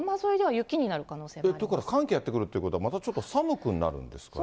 ということは、寒気がやって来るということは、またちょっと寒くなるんですかね？